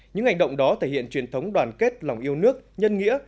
những hành động đó thể hiện truyền thống đoàn kết lòng yêu nước nhân nghĩa